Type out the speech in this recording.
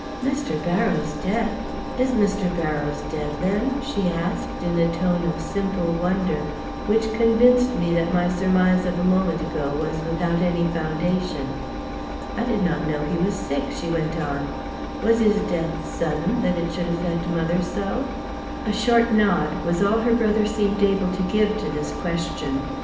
"Mr. Barrows' death! Is Mr. Barrows dead, then?" she asked, in a tone of simple wonder, which convinced me that my surmise of a moment ago was without any foundation. "I did not know he was sick," she went on. "Was his death sudden, that it should affect mother so?" A short nod was all her brother seemed to be able to give to this question.